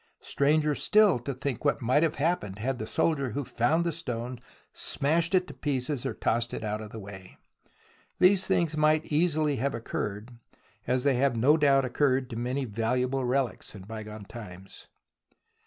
Stranger still to think what might have happened had the soldier who found the stone smashed it to pieces or tossed it out of the way. These things might easily have occurred, as they have no doubt occurred to many valuable relics in bygone times.